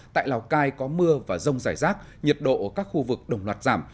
tại lào cai có mưa và rông rải rác nhiệt độ ở các khu vực đồng loạt giảm